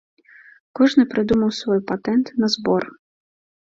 Кожны прыдумаў свой патэнт на збор.